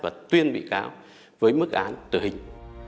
và tuyên bị cáo với mức án tự hình